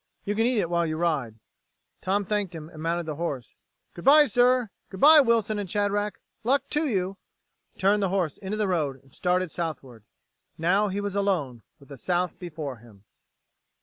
You can eat it while you ride." Tom thanked him and mounted the horse. "Good by, sir. Good by, Wilson and Shadrack. Luck to you." He turned the horse into the road, and started southward. Now he was alone, with the South before him.